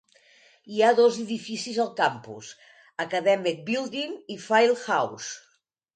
Hi ha dos edificis al campus: Academic Building i Field House.